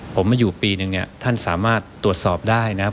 ผมมาอยู่ปีนึงเนี่ยท่านสามารถตรวจสอบได้นะครับ